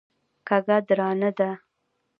کږه درانه ده.